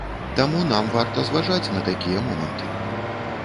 Таму нам варта зважаць на такія моманты.